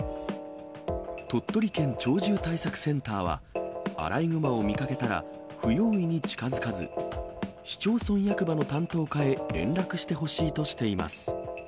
鳥取県鳥獣対策センターは、アライグマを見かけたら、不用意に近づかず、市町村役場の担当課へ連絡してほしいとしています。